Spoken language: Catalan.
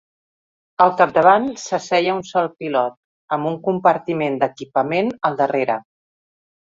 Al capdavant s'asseia un sol pilot amb un compartiment d'equipament al darrere.